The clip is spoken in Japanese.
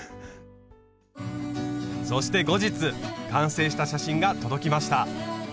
そして後日完成した写真が届きました。